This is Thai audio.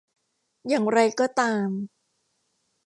อย่างไรก็ตาม